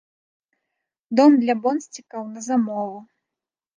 Дом для бонсцікаў на замову.